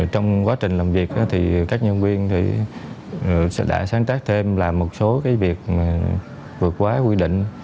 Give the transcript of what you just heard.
trong quá trình làm việc thì các nhân viên đã sáng tác thêm làm một số cái việc vượt quá quy định